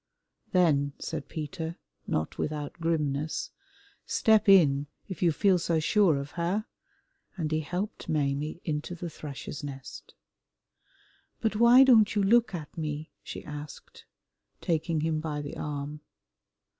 "Then," said Peter, not without grimness, "step in, if you feel so sure of her," and he helped Maimie into the Thrush's Nest. "But why don't you look at me?" she asked, taking him by the arm.